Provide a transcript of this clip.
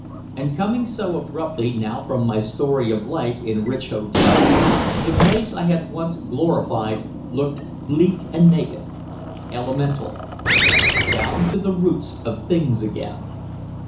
And coming so abruptly now from my story of life in rich hotels, the place I had once glorified looked bleak and naked, elemental. Down to the roots of things again.